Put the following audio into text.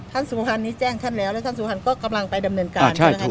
ท่านสุวรรณนี้แจ้งท่านแล้วแล้วท่านสุวรรณก็กำลังไปดำเนินการใช่ไหมครับ